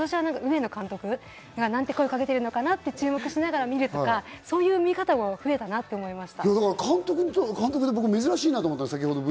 今年は上野監督がなんて声かけてるのかなって注目しながら、そういう見方が増えたなと思います。